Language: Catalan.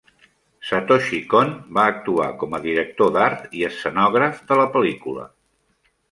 Satoshi Kon va actuar com a director d'art i escenògraf de la pel·lícula.